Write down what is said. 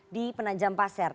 di penanjam pasir